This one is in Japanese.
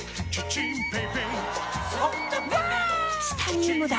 チタニウムだ！